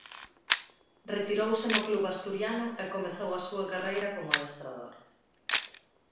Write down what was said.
Retirouse no club asturiano e comezou a súa carreira como adestrador.